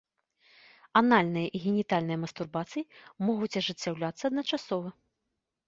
Анальная і генітальная мастурбацыі могуць ажыццяўляцца адначасова.